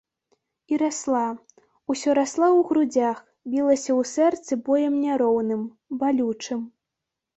І расла, усё расла ў грудзях, білася ў сэрцы боем няроўным, балючым.